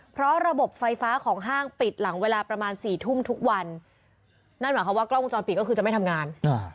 เพราะระบบไฟฟ้าของห้างปิดหลังเวลาประมาณสี่ทุ่มทุกวันนั่นหมายความว่ากล้องวงจรปิดก็คือจะไม่ทำงาน